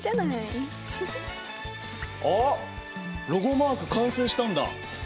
あっロゴマーク完成したんだ。